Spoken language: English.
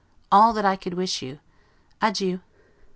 All that I could wish you! Adieu.